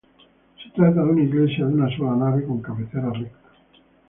Se trata de una iglesia de una sola nave con cabecera recta.